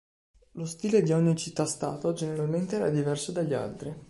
Lo stile di ogni città-stato, generalmente era diverso dagli altri.